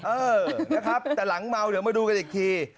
เออนะครับแต่หลังเมาเดี๋ยวมาดูกันอีกที